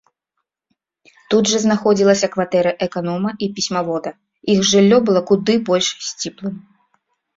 Тут жа знаходзілася кватэра эканома і пісьмавода, іх жыллё было куды больш сціплым.